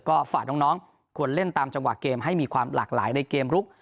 ก็ฝากน้องควรเล่นตามจังหวะเกมให้มีความหลากหลายในเกมลุก